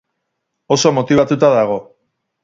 Oso motibatuta dago.